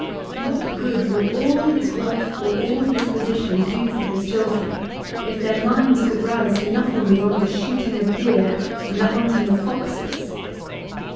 What good would all his wealth or all his position do for his children if their minds could rise to nothing beyond the shooting of deer and the hunting of foxes?